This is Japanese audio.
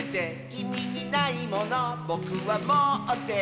「きみにないものぼくはもってて」